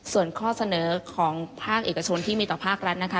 ส่วนข้อเสนอของภาคเอกชนที่มีต่อภาครัฐนะคะ